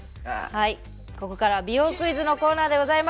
ここからは美容クイズのコーナーです。